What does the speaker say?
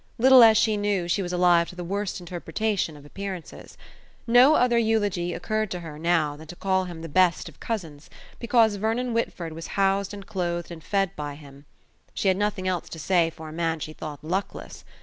Little as she knew, she was alive to the worst interpretation of appearances. No other eulogy occurred to her now than to call him the best of cousins, because Vernon Whitford was housed and clothed and fed by him. She had nothing else to say for a man she thought luckless!